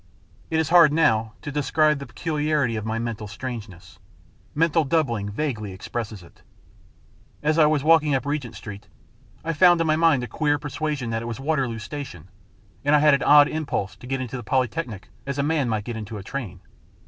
It is hard now to describe the peculiarity of my mental strangeness mental doubling vaguely expresses it. As I was walking up Regent Street I found in my mind a queer persuasion that it was Waterloo station, and had an odd impulse to get into the Polytechnic as a man might get into a train.